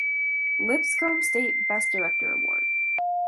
Lipscomb State Best Director Award.